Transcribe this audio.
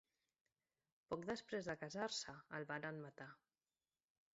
Poc després de casar-se, el varen matar.